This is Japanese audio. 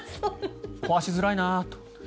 壊しづらいなと。